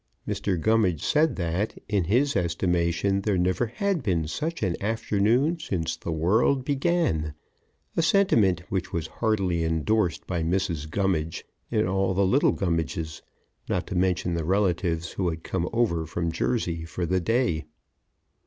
Mr. Gummidge said that, in his estimation, there never had been such an afternoon since the world began, a sentiment which was heartily endorsed by Mrs. Gummidge and all the little Gummidges, not to mention the relatives who had come over from Jersey for the day.